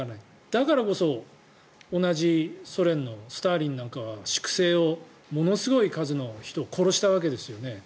だからこそ同じソ連のスターリンなんかは粛清を、ものすごい数の人を殺したわけですよね。